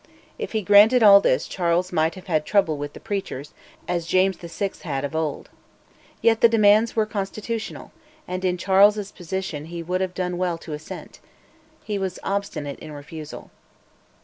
If he granted all this Charles might have had trouble with the preachers, as James VI. had of old. Yet the demands were constitutional; and in Charles's position he would have done well to assent. He was obstinate in refusal.